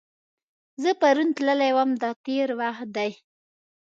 زه پرون تللی وم – دا تېر وخت دی.